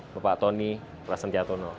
bapak tony rasenjatono